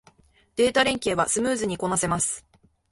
データ連携はスムーズにこなせます